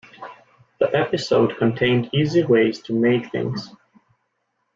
The episode contained easy ways to make things.